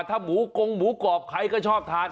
ถ้าหมูกงหมูกรอบใครก็ชอบทาน